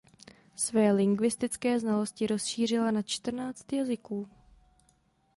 Své lingvistické znalosti rozšířila na čtrnáct jazyků.